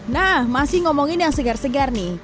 nah masih ngomongin yang segar segar nih